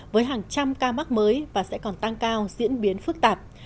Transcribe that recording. với hàng trăm ca mắc mới và sẽ còn tăng cao diễn biến phức tạp